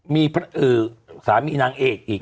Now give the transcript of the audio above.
มีพระอื่อสามีนางเอกอีก